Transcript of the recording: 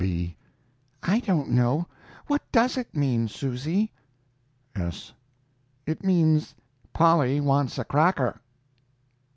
"B. I don't know. What does it mean, Susy? "S. It means, 'Polly wants a cracker.'"